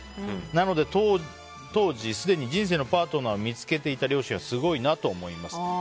なので当時、すでに人生のパートナーを見つけていた両親はすごいなと思います。